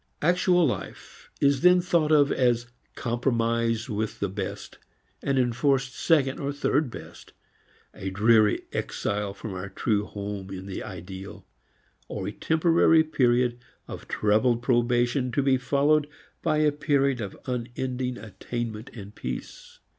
Actual life is then thought of as a compromise with the best, an enforced second or third best, a dreary exile from our true home in the ideal, or a temporary period of troubled probation to be followed by a period of unending attainment and peace.